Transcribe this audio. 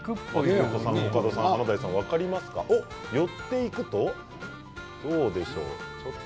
寄っていくとどうでしょう？